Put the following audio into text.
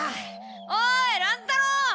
おい乱太郎！